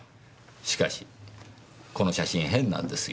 しかしこの写真変なんですよ。